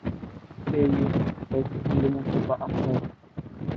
এ ইউনিয়নে কয়েকটি হিন্দু মন্দির বা আখড়া আছে।